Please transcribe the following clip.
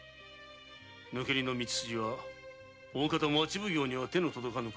抜け荷の道筋は町奉行には手の届かぬ海路だ。